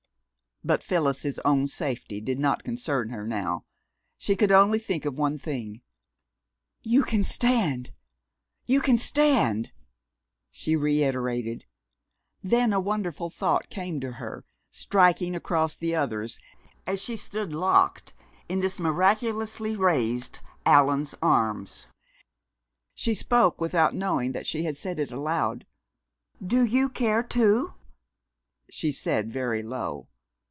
But Phyllis's own safety did not concern her now. She could only think of one thing. "You can stand! You can stand!" she reiterated. Then a wonderful thought came to her, striking across the others, as she stood locked in this miraculously raised Allan's arms. She spoke without knowing that she had said it aloud. "Do you care, too?" she said very low.